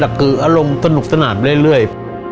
แต่คืออารมณ์สนุกสนานเรื่อย